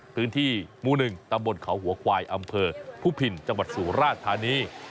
พื้นที่หมู่๑ตำบลเขาหัวควายอำเภอพุพินจังหวัดสุราธานี